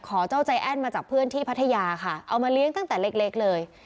เจ้าใจแอ้นมาจากเพื่อนที่พัทยาค่ะเอามาเลี้ยงตั้งแต่เล็กเลย